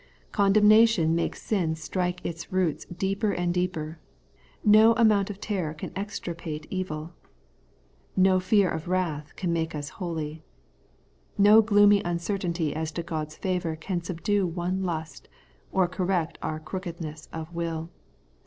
Condemnation makes sin strike its roots deeper and deeper. No amount of terror can extirpate evil. No fear of wrath can make us holy. No gloomy uncertainty as to God's favour can subdue one lust, or correct our crookedness of will.